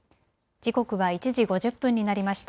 時刻は１時５０分になりました。